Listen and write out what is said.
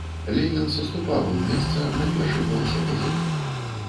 Ленін саступаў ім месца на першай паласе газеты.